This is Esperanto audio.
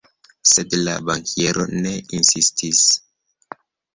Sed la bankiero ne insistis.